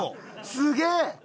すげえ！